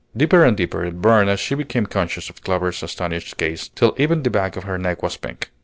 Deeper and deeper it burned as she became conscious of Clover's astonished gaze, till even the back of her neck was pink.